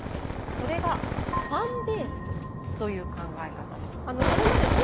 それが「ファンベース」という考え方です。